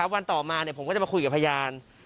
วันต่อมาผมก็จะมาคุยกับพยาน